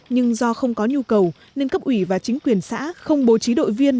nhưng do không có nhu cầu nên cấp ủy và chính quyền xã không bố trí đội viên